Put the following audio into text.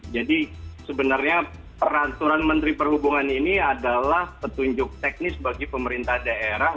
jadi sebenarnya peraturan menteri perhubungan ini adalah petunjuk teknis bagi pemerintah daerah